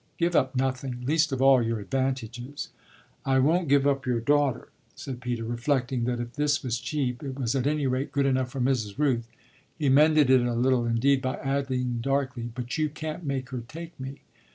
Give up nothing least of all your advantages." "I won't give up your daughter," said Peter, reflecting that if this was cheap it was at any rate good enough for Mrs. Rooth. He mended it a little indeed by adding darkly: "But you can't make her take me."